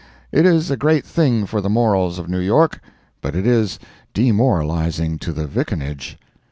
It is a great thing for the morals of New York, but it is demoralizing to the vicinage.